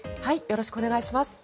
よろしくお願いします。